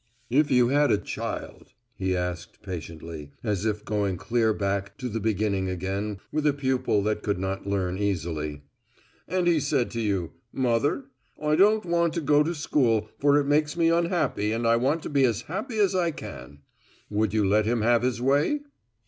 "If you had a child," he asked patiently, as if going clear back to the beginning again with a pupil that could not learn easily, "and he said to you, 'Mother, I don't want to go to school, for it makes me unhappy and I want to be as happy as I can,' would you let him have his way?"